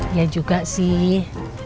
iya juga sih